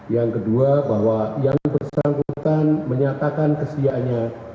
yang kedua bahwa yang bersangkutan menyatakan kesiaannya